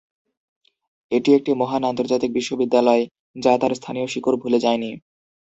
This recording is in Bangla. এটি একটি মহান আন্তর্জাতিক বিশ্ববিদ্যালয় যা তার স্থানীয় শিকড় ভুলে যায়নি।